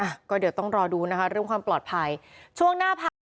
อ่ะก็เดี๋ยวต้องรอดูนะคะเรื่องความปลอดภัยช่วงหน้าพัก